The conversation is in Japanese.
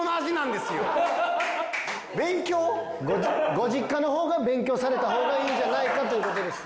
ご実家の方が勉強された方がいいんじゃないかという事です。